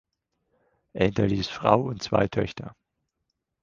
Er hinterließ Frau und zwei Töchter.